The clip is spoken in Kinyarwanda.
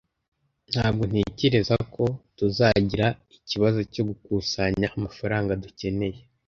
Ntabwo ntekereza ko tuzagira ikibazo cyo gukusanya amafaranga dukeneye.